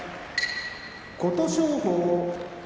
琴勝峰